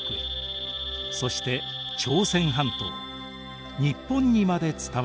そして朝鮮半島日本にまで伝わったのです。